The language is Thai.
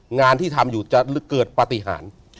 งานที่ทำอยู่จะเกิดปฏิหาร